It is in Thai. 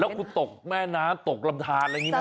คุณตกแม่น้ำตกลำทานอะไรอย่างนี้ไหม